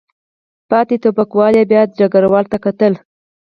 پاتې ټوپکوالو بیا ډګروال ته کتل.